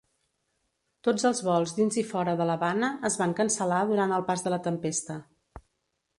Tots els vols dins i fora de l'Havana es van cancel·lar durant el pas de la tempesta.